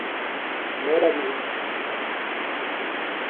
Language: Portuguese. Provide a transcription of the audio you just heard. meramente